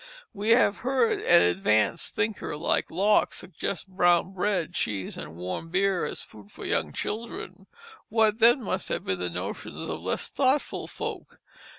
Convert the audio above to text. We have heard an advanced thinker like Locke suggest brown bread, cheese, and warm beer as food for young children. What, then, must have been the notions of less thoughtful folk?